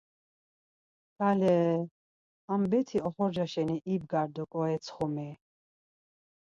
Kale! Ham bet̆i oxorca şeni ibgar do ǩoretsxumi?